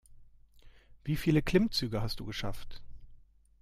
Wie viele Klimmzüge hast du geschafft?